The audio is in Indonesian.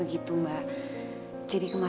aku nanti ke rumah